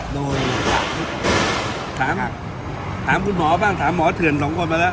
โดยสามเธอหาคุณหมอบ้างถามหมอเถื่อนสองคนไปละ